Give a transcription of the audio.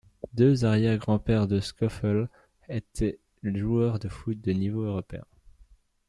Deux arrière-grand-pères de Schauffele étaient joueurs de foot de niveau européen.